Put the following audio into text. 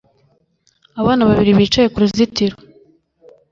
Abana babiri bicaye ku ruzitiro